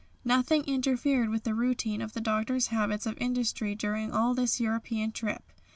Nothing interfered with the routine of the Doctor's habits of industry during all this European trip.